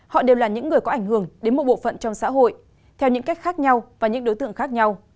họ đều là những người có ảnh hưởng đến một bộ phận trong xã hội theo những cách khác nhau và những đối tượng khác nhau